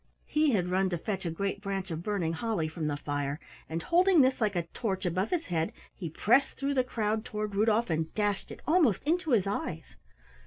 He had run to fetch a great branch of burning holly from the fire, and holding this like a torch above his head, he pressed through the crowd toward Rudolf and dashed it almost into his eyes.